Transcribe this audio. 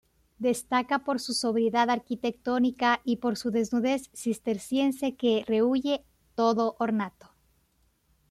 Destaca por su sobriedad arquitectónica y por su desnudez cisterciense, que rehúye todo ornato.